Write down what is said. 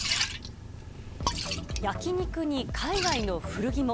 焼き肉に、海外の古着も。